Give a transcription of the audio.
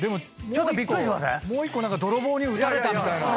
でももう１個泥棒に撃たれたみたいな。